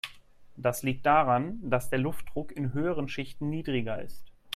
Das liegt daran, dass der Luftdruck in höheren Schichten niedriger ist.